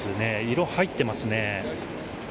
色入ってますね。